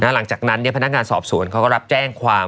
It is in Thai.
หลังจากนั้นพนักงานสอบสวนเขาก็รับแจ้งความ